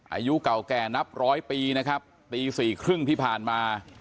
อายุเก่าแก่นับร้อยปีนะครับปี๔๓๐ที่ผ่านมา